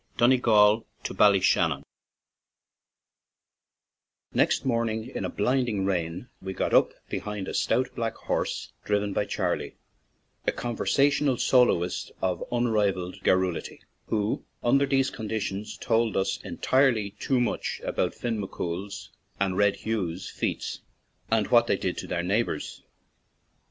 DONEGAL TO BALLYSHANNON NEXT morning, in a blinding rain, we got up behind a stout, black horse, driven by Charley, a conversational soloist of un rivaled garrulity, who under these con ditions told us entirely too much about Fin McCooFs and Red Hugh's feats and what they did to their neighbors.